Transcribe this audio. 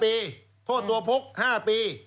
ปีโทษตัวพก๕ปี